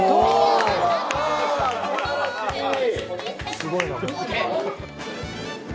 すごいな。